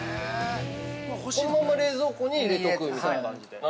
◆このまま冷蔵庫に入れとくみたいな感じで。